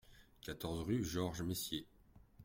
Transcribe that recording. quatorze rue Georges Messier